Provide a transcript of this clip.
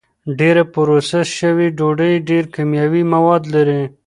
ډېره پروسس شوې ډوډۍ ډېر کیمیاوي مواد لري.